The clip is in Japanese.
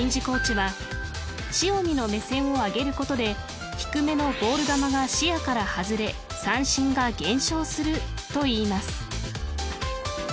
コーチは塩見の目線を上げることで低めのボール球が視野から外れ三振が減少するといいます。